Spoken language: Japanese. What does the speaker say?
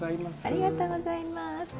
ありがとうございます。